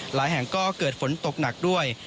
หลายแห่งก็เกิดฝนตกหนักด้วย